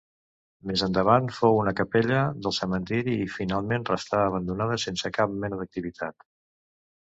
Més endavant fou una capella del cementiri i finalment restà abandonada sense cap mena d'activitat.